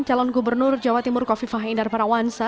calon gubernur jawa timur kofi fah indar parawansa